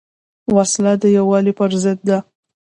وسله د یووالي پر ضد ده